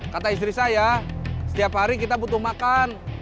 kata istri saya setiap hari kita butuh makan